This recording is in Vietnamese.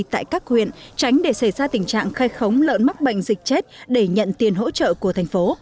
tại các huyện tránh để xảy ra tình trạng khai khống lợn mắc bệnh dịch chết để nhận tiền hỗ trợ của thành phố